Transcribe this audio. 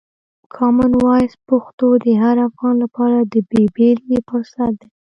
کامن وایس پښتو د هر افغان لپاره د بې بېلګې فرصت دی.